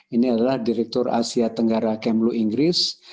ini adalah direktur asia tenggara kemlu inggris